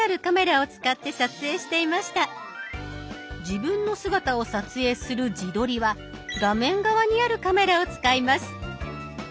自分の姿を撮影する「自撮り」は画面側にあるカメラを使います。